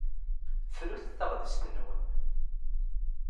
Frut taɣtest-nwen.